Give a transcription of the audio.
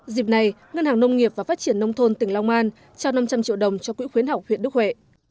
dịp này ngân hàng nông nghiệp và phát triển nông thôn tỉnh long an trao năm trăm linh triệu đồng cho quỹ khuyến học huyện đức huệ